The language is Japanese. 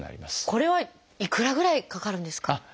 これはいくらぐらいかかるんですか？